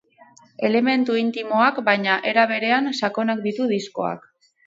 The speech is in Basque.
Elementu intimoak, baina, era berean, sakonak ditu diskoak.